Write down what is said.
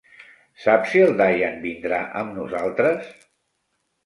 Saps si el Dyan vindrà amb nosaltres?